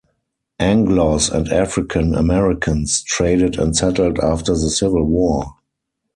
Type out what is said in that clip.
"Anglos" and African Americans traded and settled after the Civil War.